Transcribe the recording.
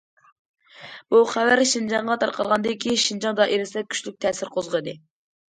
بۇ خەۋەر شىنجاڭغا تارقالغاندىن كېيىن، شىنجاڭ دائىرىسىدە كۈچلۈك تەسىر قوزغىدى.